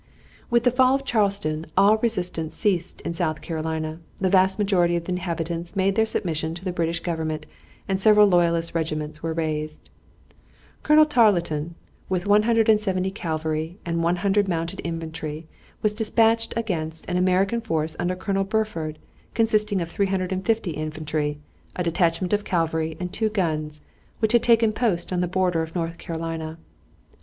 With the fall of Charleston all resistance ceased in South Carolina. The vast majority of the inhabitants made their submission to the British government and several loyalist regiments were raised. Colonel Tarleton, with 170 cavalry and 100 mounted infantry, was dispatched against an American force under Colonel Burford, consisting of 350 infantry, a detachment of cavalry, and two guns, which had taken post on the border of North Carolina.